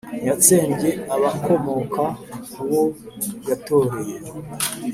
ntiyatsembye abakomoka ku uwo yitoreye,